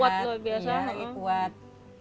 dia sudah kuat